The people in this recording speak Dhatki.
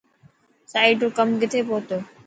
سائٽ رو ڪم ڪٿي پهتو.